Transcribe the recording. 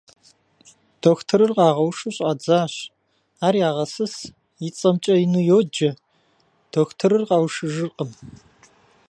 Дохутырыр къагъэушу щӀадзащ, ар ягъэсыс, и цӀэмкӀэ ину йоджэ, дохутырыр къэушыжыркъым.